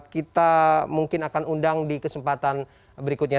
kita mungkin akan undang di kesempatan berikutnya